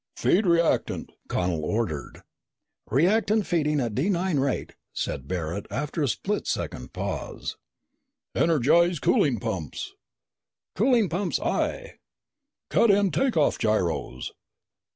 "Feed reactant!" Connel ordered. "Reactant feeding at D 9 rate," said Barret after a split second pause. "Energize cooling pumps!" "Cooling pumps, aye!" "Cut in take off gyros!"